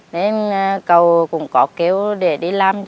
nên cậu cũng có kêu để đi làm